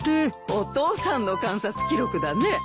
お父さんの観察記録だね。